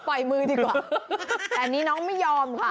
มือดีกว่าแต่อันนี้น้องไม่ยอมค่ะ